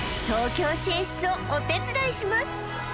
東京進出をお手伝いします